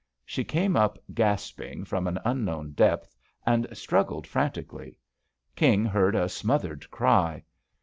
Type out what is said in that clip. She came up gasping from an unknown depth, and strug gled frantically. King heard a smothered cry.